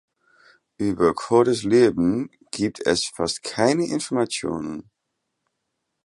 Über Cordes’ Leben gibt es fast keine Informationen.